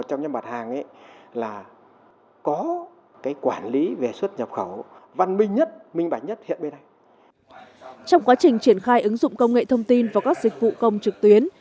trong quá trình triển khai ứng dụng công nghệ thông tin vào các dịch vụ công trực tuyến